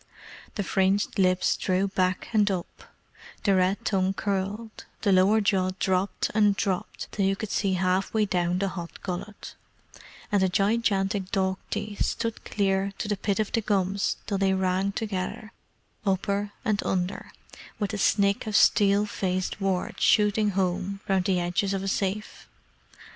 The fringed lips drew back and up; the red tongue curled; the lower jaw dropped and dropped till you could see half way down the hot gullet; and the gigantic dog teeth stood clear to the pit of the gums till they rang together, upper and under, with the snick of steel faced wards shooting home round the edges of a safe.